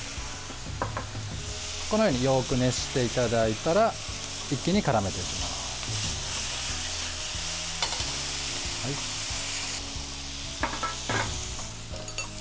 このようによく熱していただいたら一気にからめていきます。